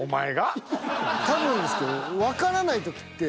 多分ですけど。